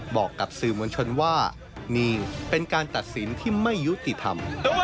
บอกกับสื่อมวลชนว่านี่เป็นการตัดสินที่ไม่ยุติธรรม